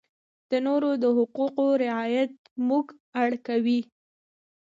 د نورو د حقوقو رعایت موږ اړ کوي.